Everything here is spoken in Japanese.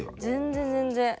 全然全然。